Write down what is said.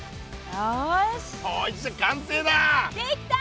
よし！